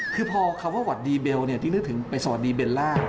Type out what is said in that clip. คือพอนกคำว่าวัดดีเบลติ๊กลึกถึงไปสอนดีเบลล่า